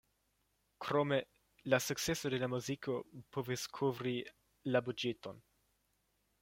Krome, la sukceso de la muziko povis kovri la buĝeton.